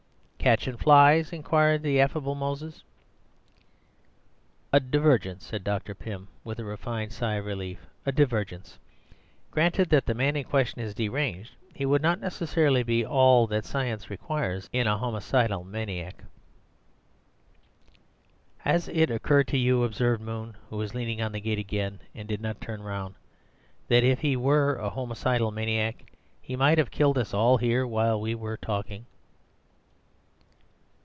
"Catchin' flies?" inquired the affable Moses. "A divergence," said Dr. Pym, with a refined sigh of relief; "a divergence. Granted that the man in question is deranged, he would not necessarily be all that science requires in a homicidal maniac—" "Has it occurred to you," observed Moon, who was leaning on the gate again, and did not turn round, "that if he were a homicidal maniac he might have killed us all here while we were talking."